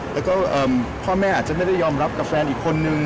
แล้วก็พ่อแม่อาจจะไม่ได้ยอมรับกับแฟนอีกคนนึง